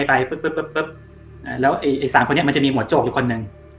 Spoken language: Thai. ไอ้สองคนเนี่ยมันจะมีหมวดโจ๊กอยู่คนหนึ่ง